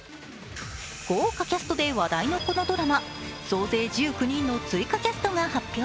豪華キャストで話題のこのドラマ、総勢１９人の追加キャストが発表。